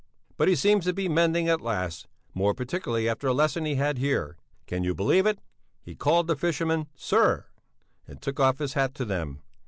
But he seems to be mending at last, more particularly after a lesson he had here. Can you believe it, he called the fishermen "sir," and took off his hat to them.